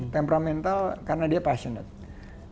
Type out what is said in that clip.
temperamental karena dia passionate